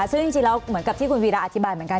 ซึ่งจริงแล้วเหมือนกับที่คุณวีระอธิบายเหมือนกัน